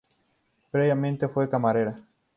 Previamente, fue camarera.